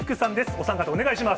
お三方、お願いします。